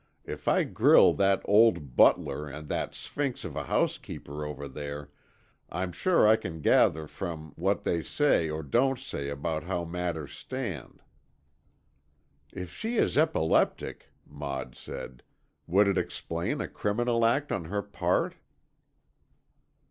If I grill that old butler and that sphinx of a housekeeper over there, I'm sure I can gather from what they say or don't say about how matters stand." "If she is epileptic," Maud said, "would it explain a criminal act on her part?"